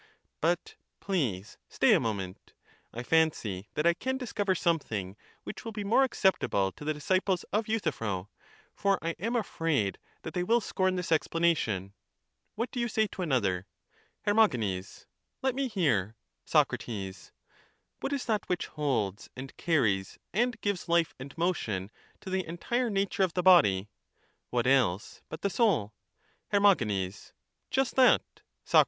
But please stay a moment ; I fancy that I can discover something which will be more acceptable to the disciples of Euthyphro, for I am afraid that they will scorn this explanation. What do you say to another? Her. Let me hear. Soc. What is that which holds and carries and gives hfe and motion to the entire nature of the body? What else but the soul? Her. Just that. Soc.